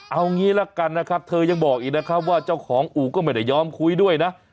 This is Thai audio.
เอางี้ละกันนะครับเธอยังบอกอีกนะครับว่าเจ้าของอู่ก็ไม่ได้ยอมคุยด้วยนะ